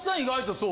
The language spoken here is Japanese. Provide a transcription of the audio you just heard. そう。